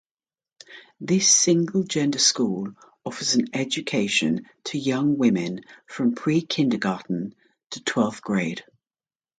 This single-gender school offers an education to young women from pre-kindergarten to twelfth grade.